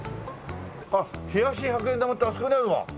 あっ冷やし百円玉ってあそこにあるわ。